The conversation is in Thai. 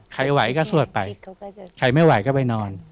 ไหวก็สวดไปใครไม่ไหวก็ไปนอน